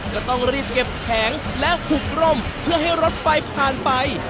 ก็ต้องรีบเก็บแผงแล้วผูกร่มเพื่อให้รถไฟผ่านไป